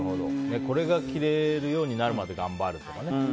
これが着れるようになるまで頑張るとかね。